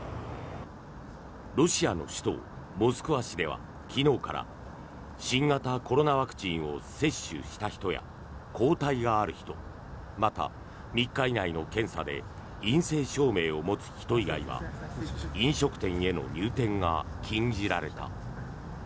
ロシアの首都モスクワ市では昨日から新型コロナワクチンを接種した人や抗体がある人また、３日以内の検査で陰性証明を持つ人以外は飲食店への入店が禁じられた。